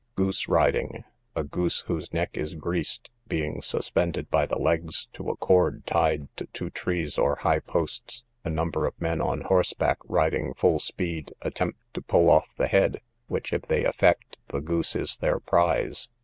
Goose Riding: a goose, whose neck is greased, being suspended by the legs to a cord tied to two trees or high posts, a number of men on horseback, riding full speed, attempt to pull off the head; which if they effect, the goose is their prize.